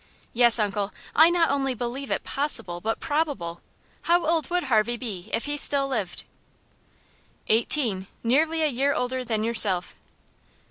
"Yes, uncle. I not only believe it possible, but probable. How old would Harvey be if he still lived?" "Eighteen nearly a year older than yourself."